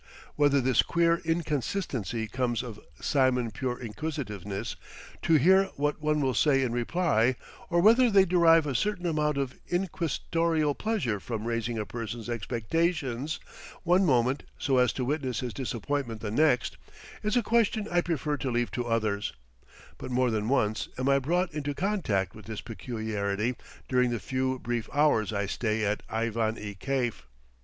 Whether this queer inconsistency comes of simon pure inquisitiveness, to hear what one will say in reply, or whether they derive a certain amount of inquisitorial pleasure from raising a person's expectations one moment so as to witness his disappointment the next, is a question I prefer to leave to others, but more than once am I brought into contact with this peculiarity during the few brief hours I stay at Aivan i Kaif.